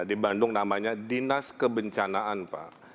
di bandung namanya dinas kebencanaan pak